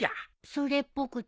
それっぽくって？